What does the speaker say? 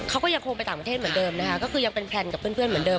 เขาก็ยังคงไปต่างประเทศเหมือนเดิมนะคะก็คือยังเป็นแพลนกับเพื่อนเหมือนเดิ